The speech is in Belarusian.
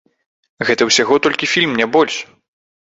Гэта ўсяго толькі фільм, не больш.